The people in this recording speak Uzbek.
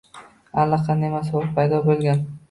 Allaqanday masofa paydo bo’lgan